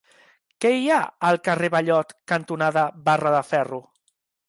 Què hi ha al carrer Ballot cantonada Barra de Ferro?